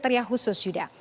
kriteria khusus sudah